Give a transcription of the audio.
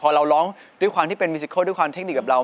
พอเราร้องด้วยความที่เป็นมิซิโคลด้วยความเทคนิคกับเรา